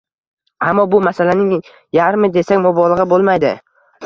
ammo bu — masalaning yarmi desak, mubolag‘a bo‘lmaydi.